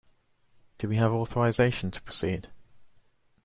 Do we have authorisation to proceed?